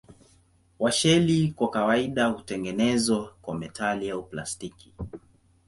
Washeli kwa kawaida hutengenezwa kwa metali au plastiki.